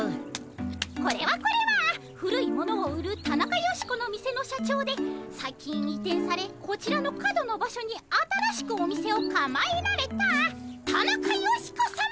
これはこれは古いものを売るタナカヨシコの店の社長で最近移転されこちらの角の場所に新しくお店をかまえられたタナカヨシコさま。